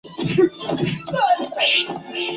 海外子公司参见日清食品集团。